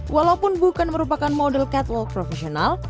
walaupun bukan merupakan model catwalk profesional